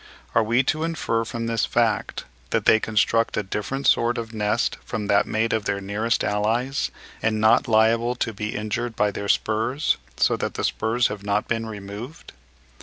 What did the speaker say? Are we to infer from this fact that they construct a different sort of nest from that made by their nearest allies, and not liable to be injured by their spurs; so that the spurs have not been removed?